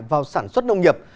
vào sản xuất nông nghiệp